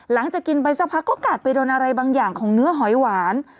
หลังจากกินไปสักพักก็กัดไปโดนอะไรบางอย่างของเนื้อหอยหวาน